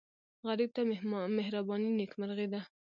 غریب ته مهرباني نیکمرغي ده